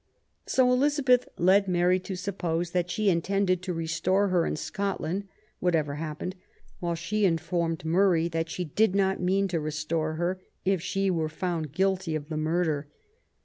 So Elizabeth led Mary to suppose that she intended to restore her in Scotland, whatever happened, while she informed Murray that she did not mean to restore her if she were found guilty of the murder.